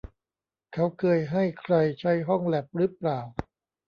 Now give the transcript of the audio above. เขาเคยให้ใครใช้ห้องแลปรึเปล่า